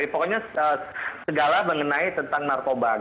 pokoknya segala mengenai tentang narkoba